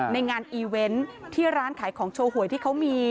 ในงานอีเว้นที่ร้านขายของชัวโหยที่เค้ามี